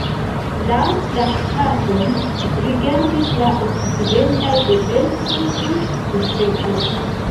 La traktaton rigardis la okcidentaj potencoj kun suspekto.